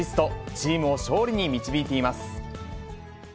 チームを勝利に導いています。